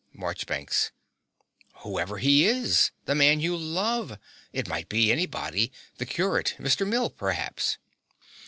MARCHBANKS. Whoever he is. The man you love. It might be anybody. The curate, Mr. Mill, perhaps.